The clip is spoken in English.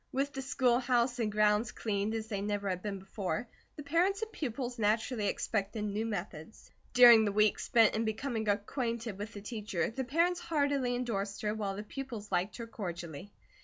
With the schoolhouse and grounds cleaned as they never had been before, the parents and pupils naturally expected new methods. During the week spent in becoming acquainted with the teacher, the parents heartily endorsed her, while the pupils liked her cordially.